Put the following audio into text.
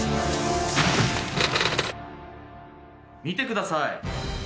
見てください！